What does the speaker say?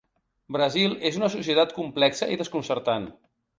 Brasil és una societat complexa i desconcertant.